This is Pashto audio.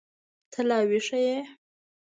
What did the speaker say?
ته لا ويښه يې.